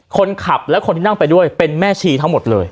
คนขับและคนที่นั่งไปด้วยเป็นแม่ชีทั้งหมดเลย